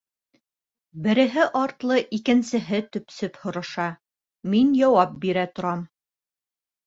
Береһе артлы икенсеһе төпсөп һораша, мин яуап бирә торам.